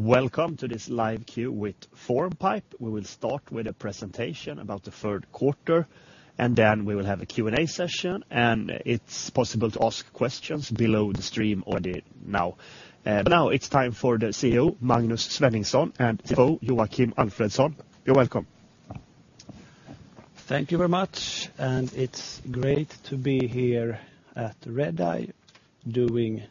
Welcome to this live queue with Formpipe. We will start with a presentation about the third quarter, and then we will have a Q&A session, and it's possible to ask questions below the stream already now. Now it's time for the CEO, Magnus Svenningson, and CFO, Joakim Alfredson. You're welcome. Thank you very much, and it's great to be here at Redeye, doing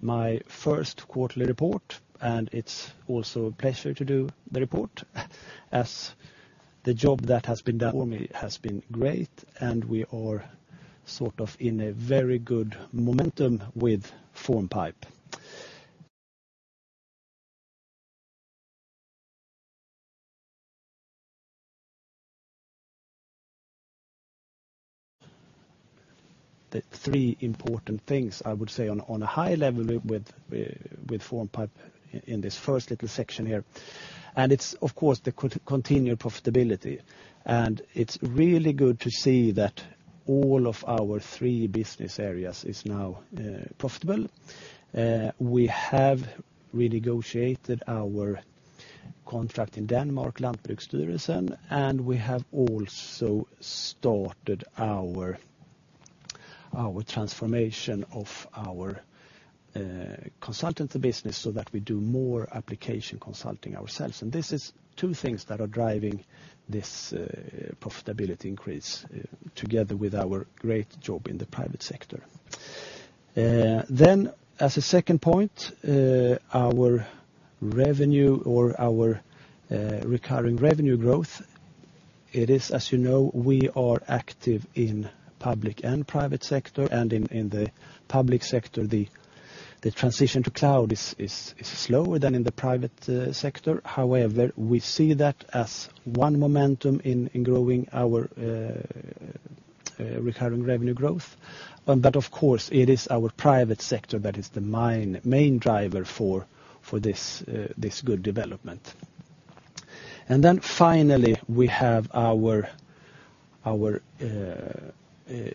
my first quarterly report, and it's also a pleasure to do the report, as the job that has been done for me has been great, and we are sort of in a very good momentum with Formpipe. The three important things, I would say on a high level with Formpipe in this first little section here, and it's, of course, the continued profitability. And it's really good to see that all of our three business areas is now profitable. We have renegotiated our contract in Denmark, Landbrugsstyrelsen, and we have also started our transformation of our consultancy business, so that we do more application consulting ourselves. And this is two things that are driving this profitability increase, together with our great job in the private sector. Then, as a second point, our revenue or our recurring revenue growth, it is, as you know, we are active in public and private sector, and in the public sector, the transition to cloud is slower than in the private sector. However, we see that as one momentum in growing our recurring revenue growth. But of course, it is our private sector that is the main driver for this good development. And then finally, we have our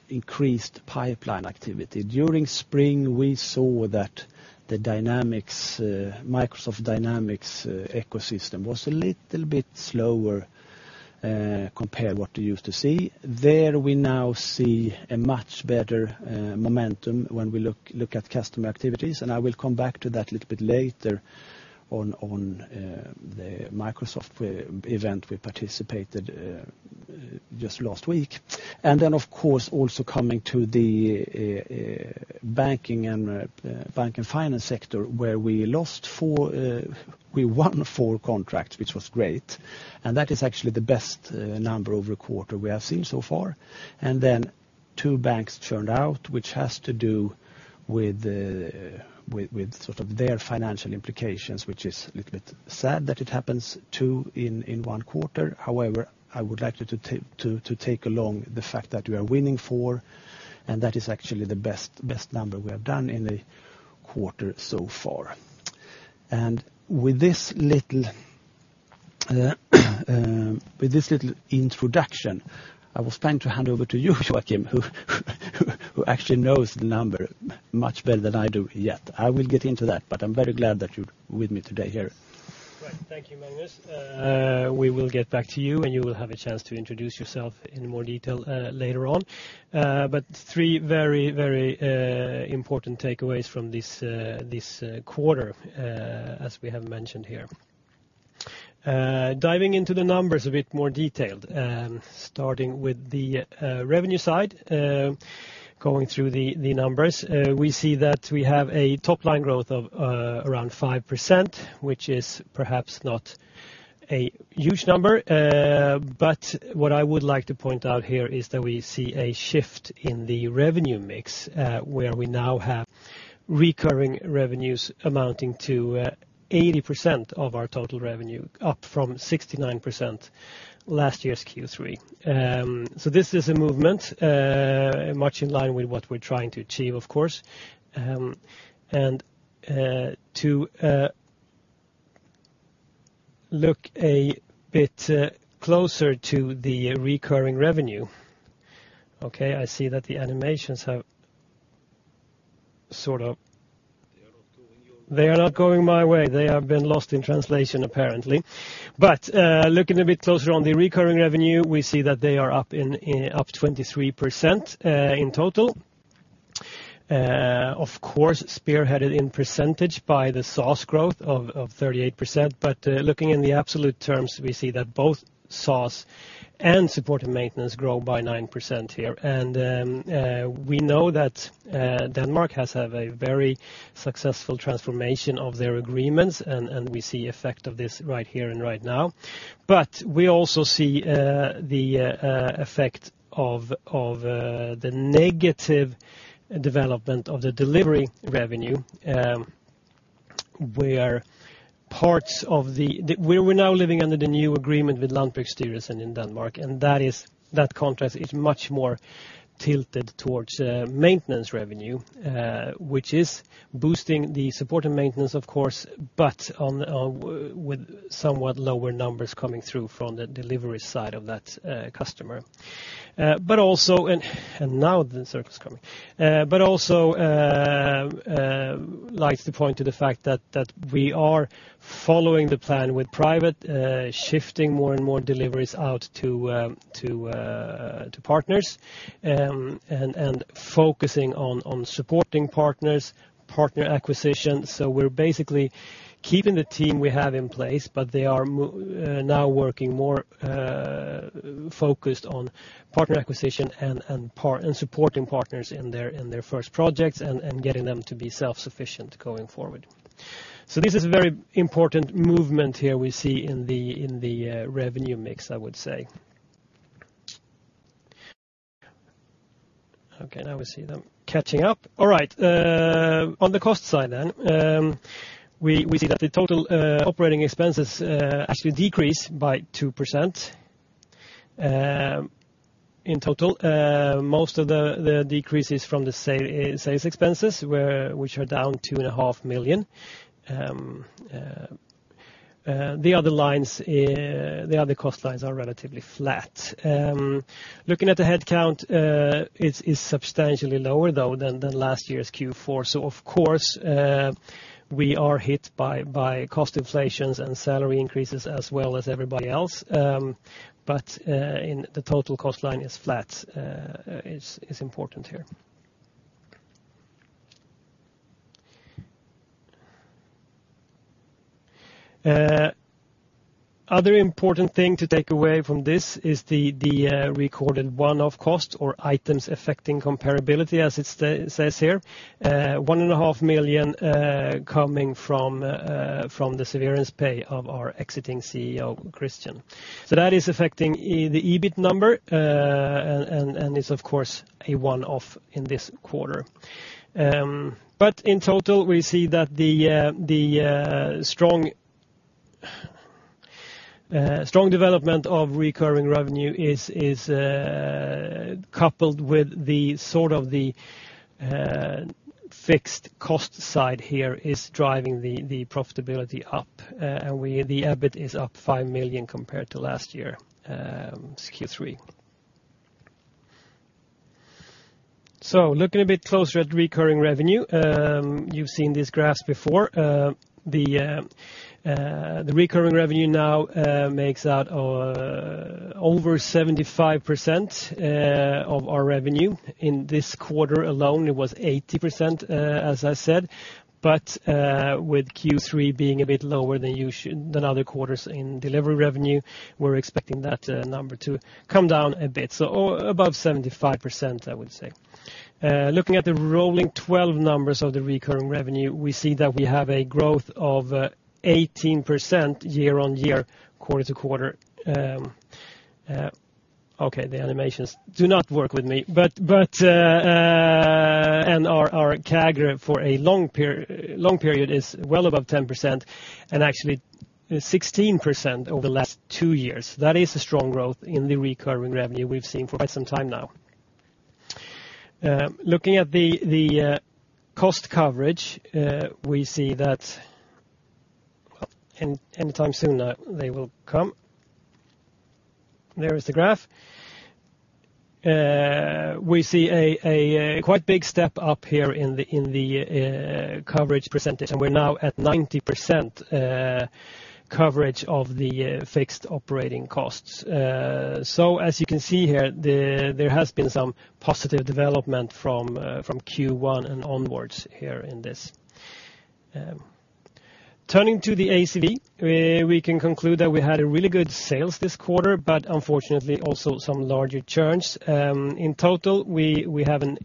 increased pipeline activity. During spring, we saw that the Dynamics, Microsoft Dynamics ecosystem was a little bit slower compared what you used to see. There, we now see a much better momentum when we look, look at customer activities, and I will come back to that a little bit later on, on the Microsoft event we participated just last week. And then, of course, also coming to the banking and bank and finance sector, where we lost four, we won four contracts, which was great, and that is actually the best number over a quarter we have seen so far. And then two banks turned out, which has to do with with sort of their financial implications, which is a little bit sad that it happens two in one quarter. However, I would like you to take along the fact that we are winning four, and that is actually the best number we have done in the quarter so far. And with this little introduction, I was planning to hand over to you, Joakim, who actually knows the number much better than I do yet. I will get into that, but I'm very glad that you're with me today here. Great. Thank you, Magnus. We will get back to you, and you will have a chance to introduce yourself in more detail later on. But three very, very important takeaways from this quarter as we have mentioned here. Diving into the numbers a bit more detailed, starting with the revenue side, going through the numbers, we see that we have a top-line growth of around 5%, which is perhaps not a huge number, but what I would like to point out here is that we see a shift in the revenue mix, where we now have recurring revenues amounting to 80% of our total revenue, up from 69% last year's Q3. So this is a movement much in line with what we're trying to achieve, of course. To look a bit closer to the recurring revenue... Okay, I see that the animations have sort of- They are not going your way? They are not going my way. They have been lost in translation, apparently. But looking a bit closer on the recurring revenue, we see that they are up twenty-three percent in total. Of course, spearheaded in percentage by the SaaS growth of thirty-eight percent. But looking in the absolute terms, we see that both SaaS and support and maintenance grow by 9% here. And we know that Denmark has have a very successful transformation of their agreements, and we see effect of this right here and right now. But we also see the effect of the negative development of the delivery revenue, where parts of the—We, we're now living under the new agreement with Landbrugsstyrelsen in Denmark, and that is, that contract is much more tilted towards maintenance revenue, which is boosting the support and maintenance, of course, but on with somewhat lower numbers coming through from the delivery side of that customer. But also, and, and now the circle's coming. But also likes to point to the fact that, that we are following the plan with private, shifting more and more deliveries out to, to, to partners. And, and focusing on, on supporting partners, partner acquisitions. So we're basically keeping the team we have in place, but they are now working more focused on partner acquisition and supporting partners in their first projects, and getting them to be self-sufficient going forward. So this is a very important movement here we see in the revenue mix, I would say. Okay, now we see them catching up. All right, on the cost side then, we see that the total operating expenses actually decreased by 2% in total. Most of the decreases from the sales expenses, which are down 2.5 million. The other lines, the other cost lines are relatively flat. Looking at the headcount, it's substantially lower, though, than last year's Q4. So of course, we are hit by cost inflations and salary increases as well as everybody else, but in the total cost line is flat, is important here. Other important thing to take away from this is the recorded one-off costs or items affecting comparability, as it says here. 1.5 million coming from the severance pay of our exiting CEO, Christian. So that is affecting the EBIT number, and is of course, a one-off in this quarter. But in total, we see that the strong development of recurring revenue is coupled with the sort of the fixed cost side here, is driving the profitability up, and we... The EBIT is up 5 million compared to last year, Q3. So looking a bit closer at recurring revenue, you've seen these graphs before. The recurring revenue now makes out over 75% of our revenue. In this quarter alone, it was 80%, as I said. But with Q3 being a bit lower than other quarters in delivery revenue, we're expecting that number to come down a bit. So above 75%, I would say. Looking at the rolling twelve numbers of the recurring revenue, we see that we have a growth of 18% year-over-year, quarter-over-quarter. Okay, the animations do not work with me. and our CAGR for a long period is well above 10%, and actually 16% over the last two years. That is a strong growth in the recurring revenue we've seen for quite some time now. Looking at the cost coverage, we see that... Well, any, anytime soon now, they will come. There is the graph. We see a quite big step up here in the coverage percentage, and we're now at 90% coverage of the fixed operating costs. So as you can see here, there has been some positive development from Q1 and onwards here in this. Turning to the ACV, we can conclude that we had a really good sales this quarter, but unfortunately, also some larger churns. In total, we have an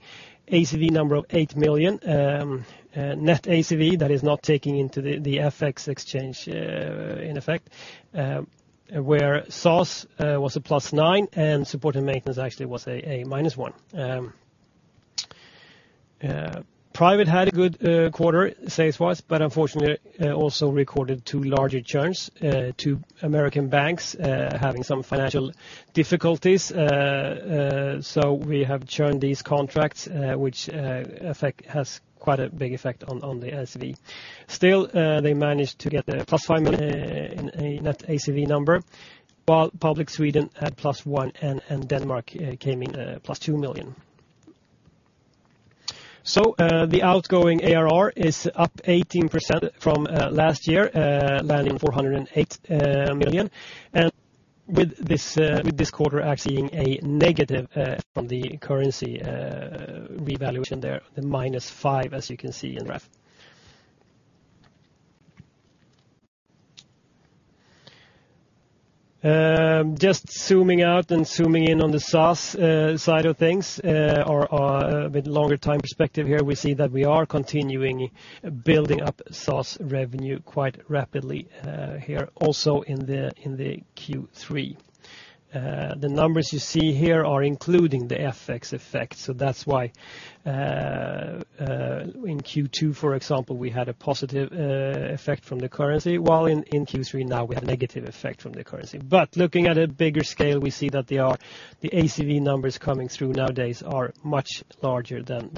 ACV number of 8 million, net ACV. That is not taking into the FX exchange in effect, where SaaS was a +9, and support and maintenance actually was a -1. Private had a good quarter, sales-wise, but unfortunately also recorded two larger churns, two American banks having some financial difficulties. So we have churned these contracts, which has quite a big effect on the ACV. Still, they managed to get a +5 million in a net ACV number, while public Sweden had +1, and Denmark came in +2 million. So, the outgoing ARR is up 18% from last year, landing 408 million. And with this, with this quarter, actually a negative from the currency revaluation there, the -5, as you can see in the graph. Just zooming out and zooming in on the SaaS side of things, or with longer time perspective here, we see that we are continuing building up SaaS revenue quite rapidly, here, also in the Q3. The numbers you see here are including the FX effect, so that's why, in Q2, for example, we had a positive effect from the currency, while in Q3 now, we have a negative effect from the currency. But looking at a bigger scale, we see that they are, the ACV numbers coming through nowadays are much larger than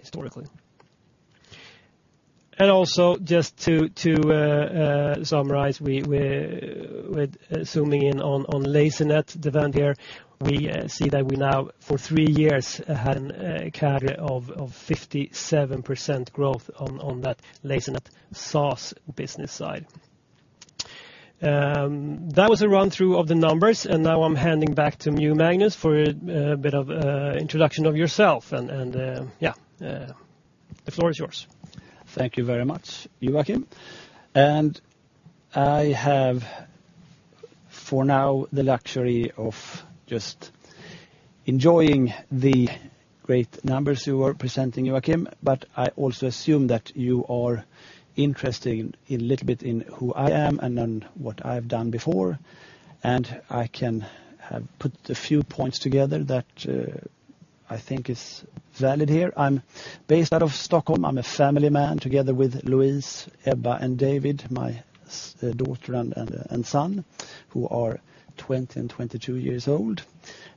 historically. And also, just to summarize, we're zooming in on Lasernet, Devant here, we see that we now, for three years, had a CAGR of 57% growth on that Lasernet SaaS business side. That was a run-through of the numbers, and now I'm handing back to you, Magnus, for a bit of introduction of yourself, and yeah, the floor is yours. Thank you very much, Joakim. I have, for now, the luxury of just enjoying the great numbers you were presenting, Joakim, but I also assume that you are interested in a little bit in who I am and then what I've done before. I can put a few points together that I think is valid here. I'm based out of Stockholm. I'm a family man, together with Louise, Ebba, and David, my daughter and son, who are 20 and 22 years old.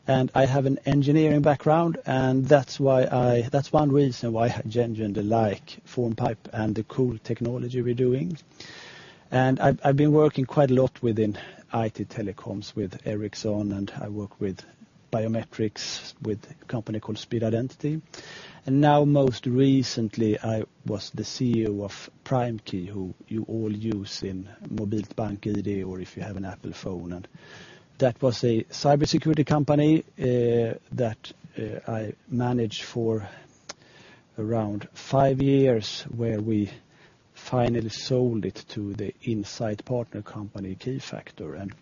I have an engineering background, and that's why that's one reason why I genuinely like Formpipe and the cool technology we're doing. I've been working quite a lot within IT telecoms with Ericsson, and I work with biometrics, with a company called Speed Identity. And now, most recently, I was the CEO of PrimeKey, who you all use in Mobilt BankID or if you have an Apple phone. And that was a cybersecurity company that I managed for around five years, where we finally sold it to the Insight Partners company, Keyfactor. And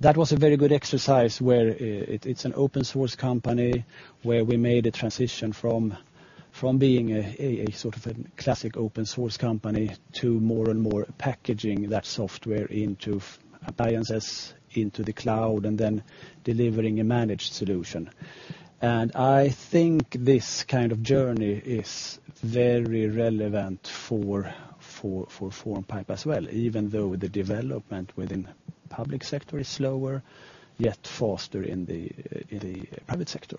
that was a very good exercise, where it is an open source company, where we made a transition from being a sort of a classic open source company to more and more packaging that software into appliances, into the cloud, and then delivering a managed solution. And I think this kind of journey is very relevant for Formpipe as well, even though the development within public sector is slower, yet faster in the private sector.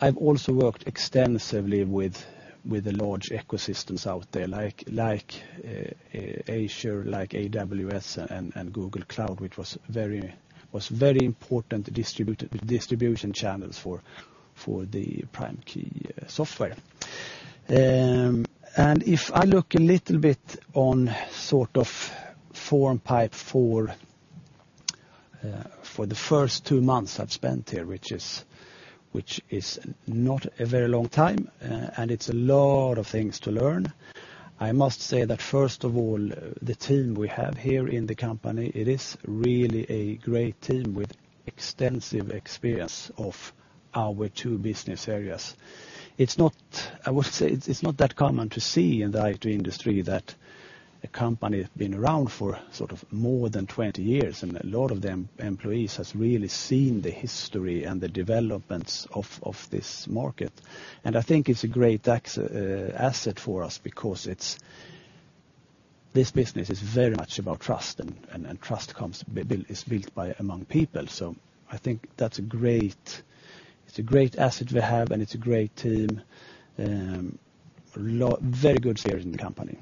I've also worked extensively with the large ecosystems out there, like Azure, like AWS and Google Cloud, which was very important distribution channels for the PrimeKey software. And if I look a little bit on sort of Formpipe for the first two months I've spent here, which is not a very long time, and it's a lot of things to learn. I must say that, first of all, the team we have here in the company, it is really a great team with extensive experience of our two business areas. It's not. I would say it's, it's not that common to see in the IT industry that a company has been around for sort of more than 20 years, and a lot of the employees has really seen the history and the developments of this market. And I think it's a great asset for us because it's this business is very much about trust, and trust is built among people. So I think that's a great, it's a great asset we have, and it's a great team. Very good spirit in the company.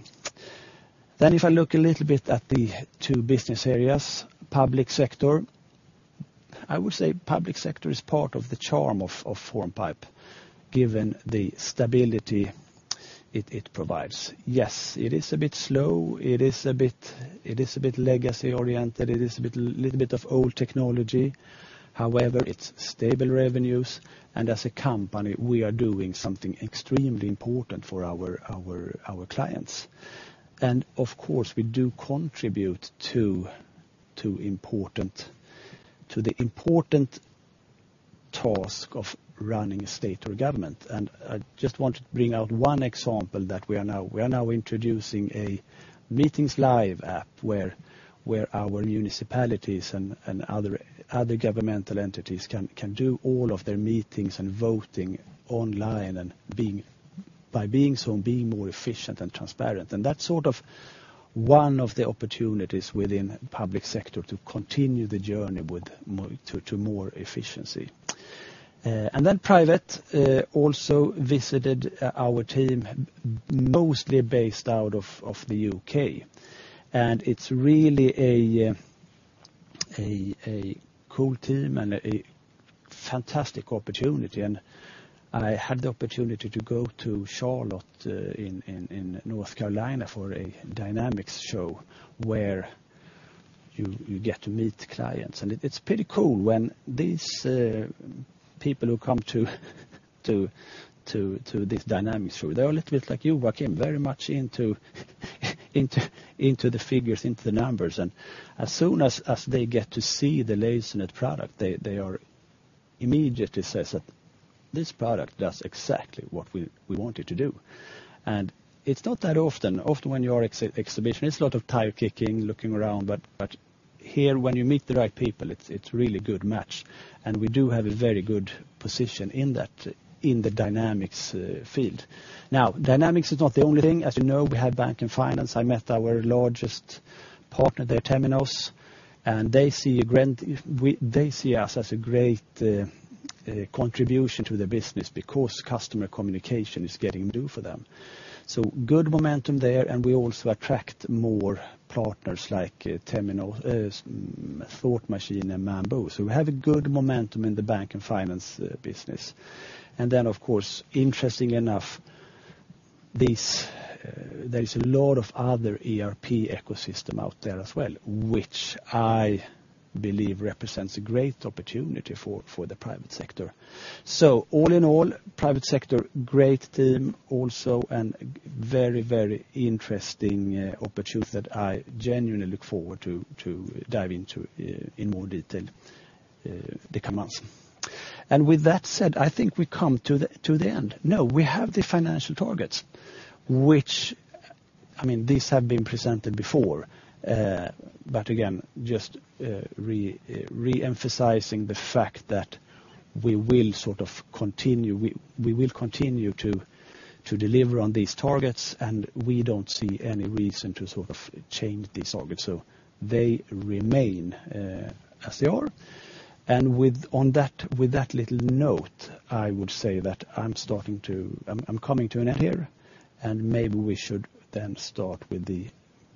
Then if I look a little bit at the two business areas, public sector, I would say public sector is part of the charm of Formpipe, given the stability it provides. Yes, it is a bit slow, it is a bit, it is a bit legacy-oriented, it is a bit, little bit of old technology. However, it's stable revenues, and as a company, we are doing something extremely important for our, our, our clients. And of course, we do contribute to, to important, to the important task of running a state or government. And I just wanted to bring out one example, that we are now, we are now introducing a Meetings Live app, where, where our municipalities and, and other, other governmental entities can, can do all of their meetings and voting online and being, by being so, being more efficient and transparent. And that's sort of one of the opportunities within public sector to continue the journey with more, to, to more efficiency. And then private also visited our team, mostly based out of the UK. And it's really a cool team and a fantastic opportunity. And I had the opportunity to go to Charlotte in North Carolina for a Dynamics show, where you get to meet clients. And it's pretty cool when these people who come to this Dynamics show, they are a little bit like you, Joakim, very much into the figures, into the numbers, and as soon as they get to see the latest Lasernet product, they are immediately says that, "This product does exactly what we want it to do." And it's not that often. Often when you are at exhibition, it's a lot of tire kicking, looking around, but here, when you meet the right people, it's really good match, and we do have a very good position in that, in the Dynamics field. Now, Dynamics is not the only thing. As you know, we have bank and finance. I met our largest partner there, Temenos, and they see a great... they see us as a great contribution to the business because customer communication is getting new for them. So good momentum there, and we also attract more partners like Temenos, Thought Machine and Mambu. So we have a good momentum in the bank and finance business. And then, of course, interesting enough, these-... There is a lot of other ERP ecosystem out there as well, which I believe represents a great opportunity for the private sector. So all in all, private sector, great team also, and very, very interesting opportunity that I genuinely look forward to dive into in more detail the coming months. And with that said, I think we come to the end. No, we have the financial targets, which, I mean, these have been presented before, but again, just reemphasizing the fact that we will sort of continue. We will continue to deliver on these targets, and we don't see any reason to sort of change these targets. So they remain as they are. With that little note, I would say that I'm coming to an end here, and maybe we should then start with the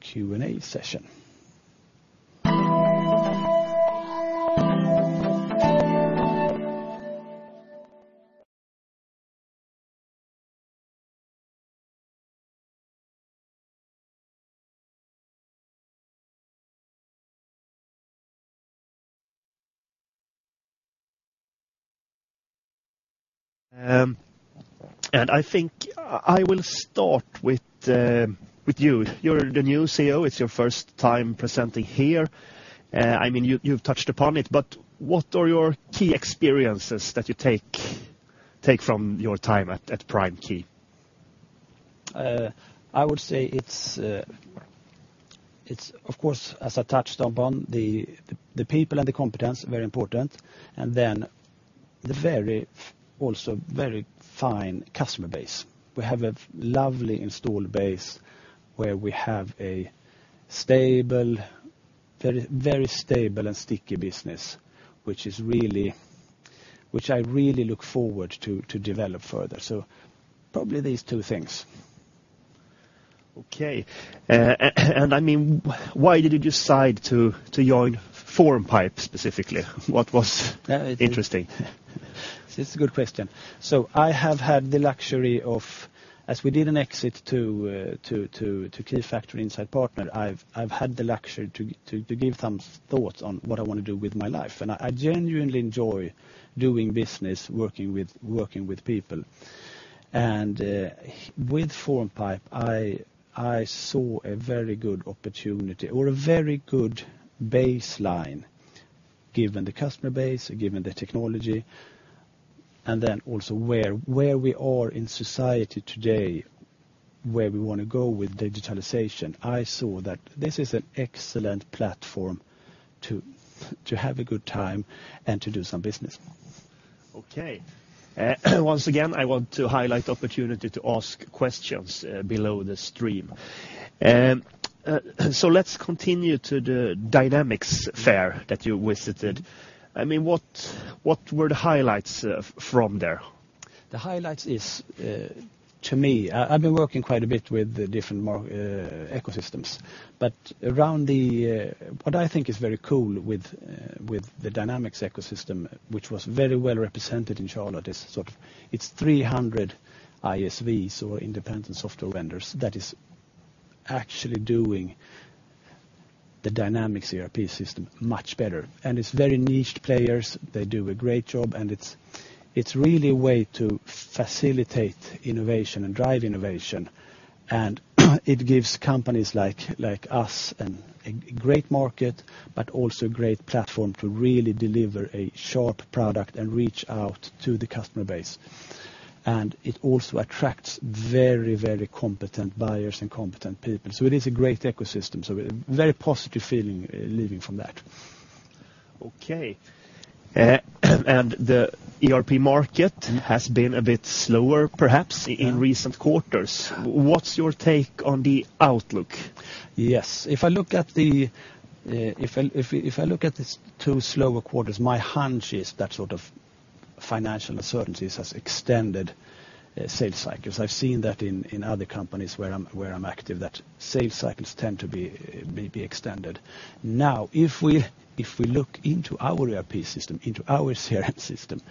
Q&A session. And I think I will start with you. You're the new CEO, it's your first time presenting here. I mean, you, you've touched upon it, but what are your key experiences that you take from your time at PrimeKey? I would say it's, it's of course, as I touched upon, the people and the competence, very important, and then the very, also very fine customer base. We have a lovely installed base where we have a stable, very, very stable and sticky business, which I really look forward to develop further. So probably these two things. Okay. And I mean, why did you decide to join Formpipe specifically? What was interesting? It's a good question. So I have had the luxury of, as we did an exit to Keyfactor, Insight Partners, I've had the luxury to give some thoughts on what I want to do with my life, and I genuinely enjoy doing business, working with people. And with Formpipe, I saw a very good opportunity or a very good baseline, given the customer base, given the technology, and then also where we are in society today, where we want to go with digitalization. I saw that this is an excellent platform to have a good time and to do some business. Okay. Once again, I want to highlight the opportunity to ask questions below the stream. So let's continue to the Dynamics fair that you visited. I mean, what were the highlights from there? The highlights is, to me, I, I've been working quite a bit with the different ecosystems, but around the... What I think is very cool with, with the Dynamics ecosystem, which was very well represented in Charlotte, is sort of its 300 ISVs, or independent software vendors, that is actually doing the Dynamics ERP system much better. And it's very niche players, they do a great job, and it's, it's really a way to facilitate innovation and drive innovation. And it gives companies like, like us, an, a great market, but also a great platform to really deliver a sharp product and reach out to the customer base. And it also attracts very, very competent buyers and competent people. So it is a great ecosystem, so a very positive feeling, leaving from that. Okay. The ERP market has been a bit slower, perhaps, in recent quarters. What's your take on the outlook? Yes. If I look at the two slower quarters, my hunch is that sort of financial uncertainties has extended sales cycles. I've seen that in other companies where I'm active, that sales cycles tend to be, may be extended. Now, if we look into our ERP system, into our CRM system,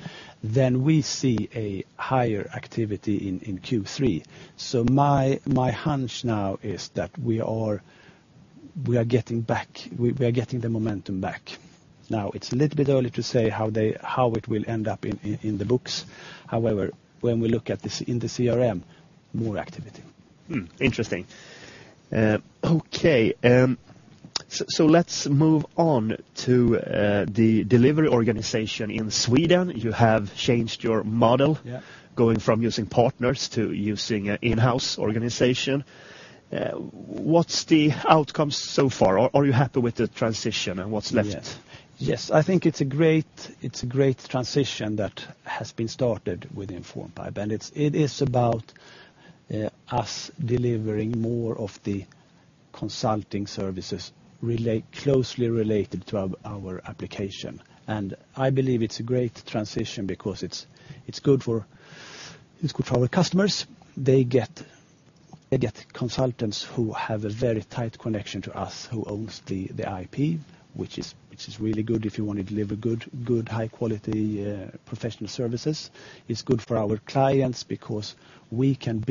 then we see a higher activity in Q3. So my hunch now is that we are getting the momentum back. Now, it's a little bit early to say how it will end up in the books. However, when we look at this in the CRM, more activity. Hmm, interesting. Okay. So let's move on to the delivery organization in Sweden. You have changed your model- Yeah. going from using partners to using an in-house organization. What's the outcomes so far? Are, are you happy with the transition and what's left? Yes. I think it's a great transition that has been started within Formpipe, and it is about us delivering more of the consulting services closely related to our application. And I believe it's a great transition because it's good for our customers. They get consultants who have a very tight connection to us, who owns the IP, which is really good if you want to deliver good high-quality professional services. It's good for our clients because we can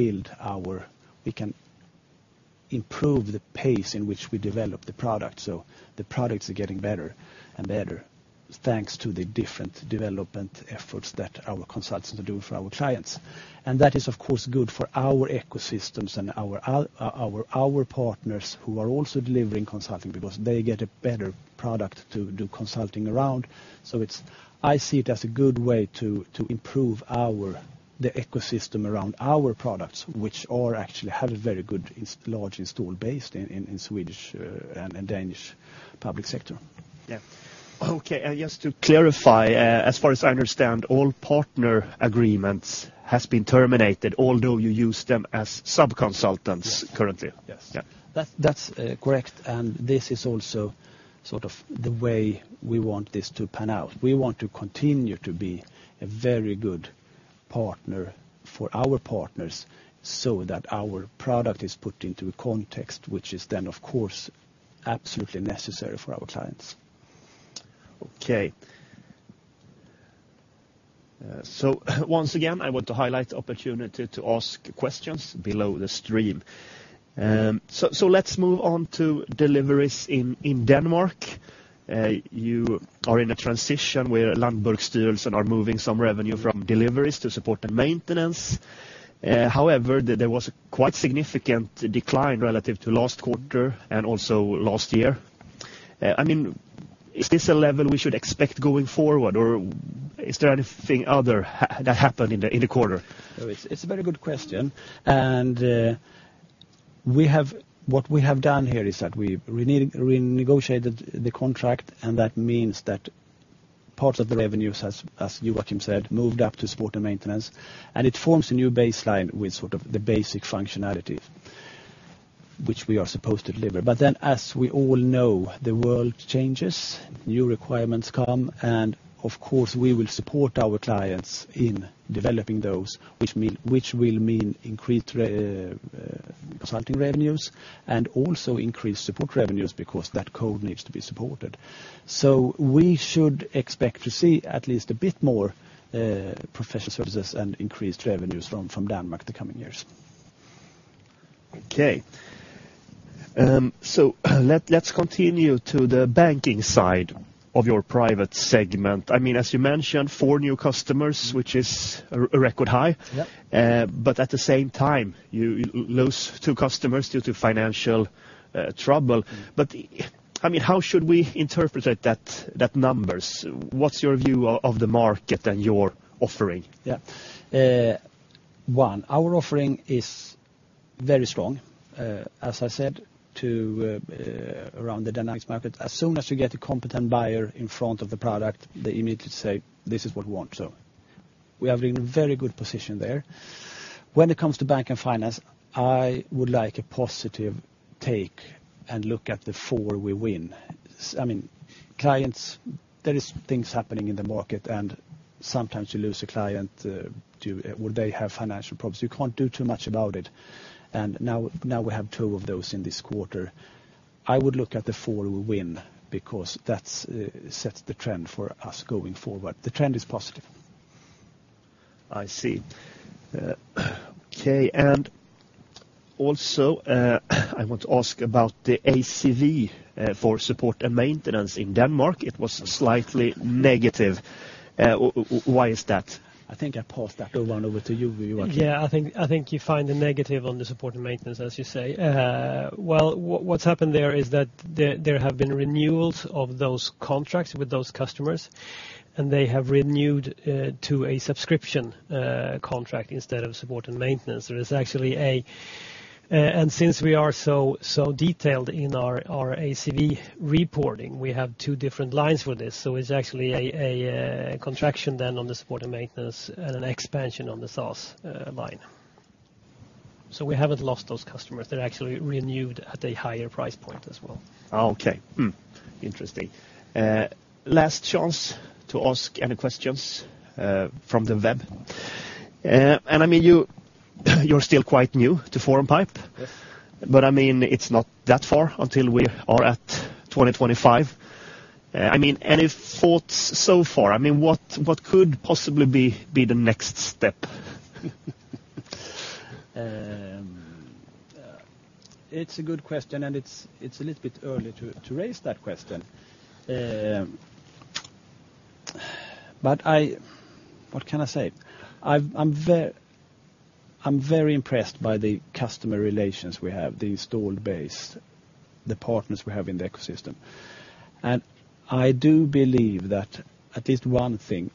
improve the pace in which we develop the product. So the products are getting better and better, thanks to the different development efforts that our consultants are doing for our clients. And that is, of course, good for our ecosystems and our partners who are also delivering consulting, because they get a better product to do consulting around. So, it's. I see it as a good way to improve our ecosystem around our products, which are actually have a very good large installed base in Swedish and Danish public sector. Yeah. Okay, just to clarify, as far as I understand, all partner agreements has been terminated, although you use them as sub-consultants- Yes. -currently? Yes. Yeah. That's, that's, correct, and this is also sort of the way we want this to pan out. We want to continue to be a very good partner for our partners so that our product is put into a context which is then, of course, absolutely necessary for our clients. Okay. So once again, I want to highlight the opportunity to ask questions below the stream. So, so let's move on to deliveries in, in Denmark. You are in a transition where Landbrugsstyrelsen are moving some revenue from deliveries to support and maintenance. However, there was a quite significant decline relative to last quarter and also last year. I mean, is this a level we should expect going forward, or is there anything other that happened in the, in the quarter? No, it's a very good question, and we have... What we have done here is that we renegotiated the contract, and that means that parts of the revenues, as Joakim said, moved up to support and maintenance, and it forms a new baseline with sort of the basic functionality which we are supposed to deliver. But then, as we all know, the world changes, new requirements come, and of course, we will support our clients in developing those, which will mean increased consulting revenues and also increased support revenues because that code needs to be supported. So we should expect to see at least a bit more professional services and increased revenues from Denmark the coming years. Okay. So let's continue to the banking side of your private segment. I mean, as you mentioned, 4 new customers, which is a record high. Yeah. But at the same time, you lose two customers due to financial trouble. But, I mean, how should we interpret it, those numbers? What's your view of the market and your offering? Yeah. One, our offering is very strong, as I said, to around the Dynamics market. As soon as you get a competent buyer in front of the product, they immediately say, "This is what we want." So we are in a very good position there. When it comes to bank and finance, I would like a positive take and look at the four we win. I mean, clients, there is things happening in the market, and sometimes you lose a client, to... Well, they have financial problems. You can't do too much about it. And now, now we have two of those in this quarter. I would look at the four we win because that's sets the trend for us going forward. The trend is positive. I see. Okay, and also, I want to ask about the ACV for support and maintenance in Denmark. It was slightly negative. Why is that? I think I'll pass that one over to you, Joakim. Yeah, I think you find the negative on the support and maintenance, as you say. Well, what's happened there is that there have been renewals of those contracts with those customers, and they have renewed to a subscription contract instead of support and maintenance. There is actually, and since we are so detailed in our ACV reporting, we have two different lines for this. So it's actually a contraction then on the support and maintenance and an expansion on the sales line. So we haven't lost those customers. They're actually renewed at a higher price point as well. Okay. Interesting. Last chance to ask any questions from the web. And I mean, you, you're still quite new to Formpipe. Yes. I mean, it's not that far until we are at 2025. I mean, any thoughts so far? I mean, what could possibly be the next step? It's a good question, and it's a little bit early to raise that question. But I... What can I say? I'm very impressed by the customer relations we have, the installed base, the partners we have in the ecosystem. And I do believe that at least one thing,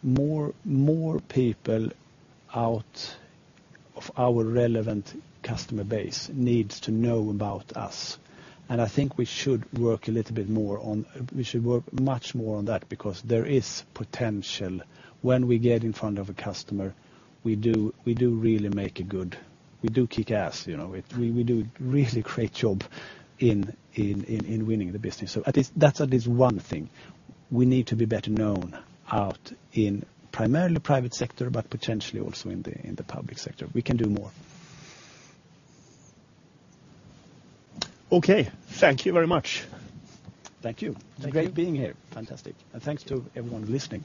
more people out of our relevant customer base needs to know about us, and I think we should work much more on that because there is potential. When we get in front of a customer, we really kick ass, you know. We do a really great job in winning the business. So at least, that's at least one thing. We need to be better known out in primarily private sector, but potentially also in the public sector. We can do more. Okay, thank you very much. Thank you. Thank you. Great being here. Fantastic. Thanks to everyone listening.